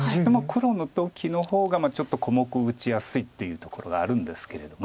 黒の時の方がちょっと小目打ちやすいっていうところがあるんですけれども。